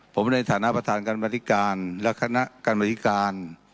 ผมในฐานะประธานการบริการและคณะกรรมธิการ